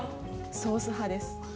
ソース派です。